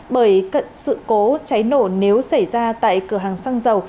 bởi cận sự cố cháy nổ nếu xảy ra tại cửa hàng xăng dầu